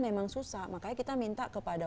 memang susah makanya kita minta kepada